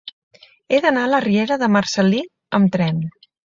He d'anar a la riera de Marcel·lí amb tren.